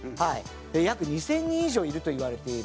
約２０００人以上いるといわれている